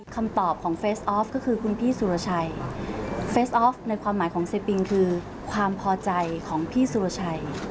คำตอบของเฟสออฟก็คือคุณพี่สุรชัยเฟสออฟในความหมายของเซปิงคือความพอใจของพี่สุรชัย